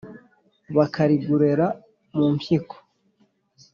bakarigurera mu mpyiko